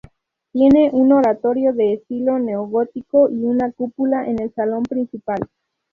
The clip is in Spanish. Tienen un oratorio de estilo neogótico y una cúpula en el salón principal.